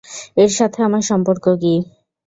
এর সাথে আমার সম্পর্ক কী?